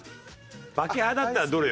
バケハだったらどれよ？